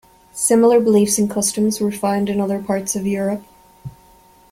Similar beliefs and customs were found in other parts of Europe.